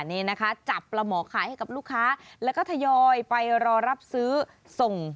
นี่นะคะจับปลาหมอขายให้กับลูกค้าแล้วก็ทยอยไปรอรับซื้อส่ง